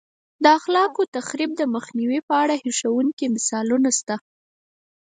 د خلاق تخریب د مخنیوي په اړه هیښوونکي مثالونه شته